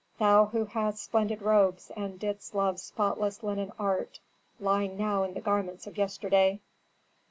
Thou who hadst splendid robes and didst love spotless linen art lying now in the garments of yesterday!"